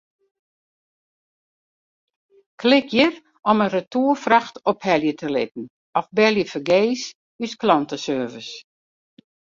Klik hjir om in retoerfracht ophelje te litten of belje fergees ús klanteservice.